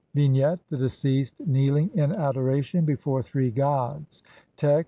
] Vignette : The deceased kneeling in adoration before three gods (see Naville, op.